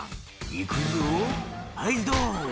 「いくぞはいドン！」